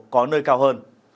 có nơi cao hơn